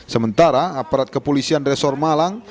sementara aparat kepolisian resor malang